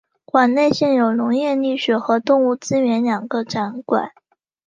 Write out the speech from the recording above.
馆内现有农业历史和动物资源两个展馆。